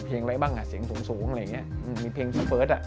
เพลงอะไรบ้างอ่ะเสียงสูงสูงอะไรอย่างเงี้ยอืมมีเพลงอ่ะ